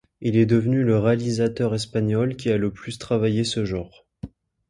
Il est devenu le réalisateur espagnol qui a le plus travaillé ce genre.